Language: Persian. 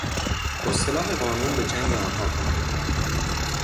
با سلاح قانون به جنگ آنها خواهیم رفت.